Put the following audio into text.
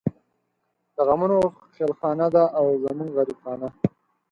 د غمونو خېلخانه ده او زمونږ غريب خانه